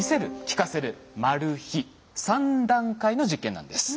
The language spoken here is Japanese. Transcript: ３段階の実験なんです。